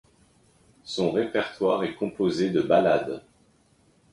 Son répertoire est composée de ballades.